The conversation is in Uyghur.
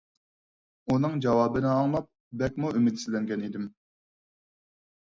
ئۇنىڭ جاۋابىنى ئاڭلاپ بەكمۇ ئۈمىدسىزلەنگەن ئىدىم.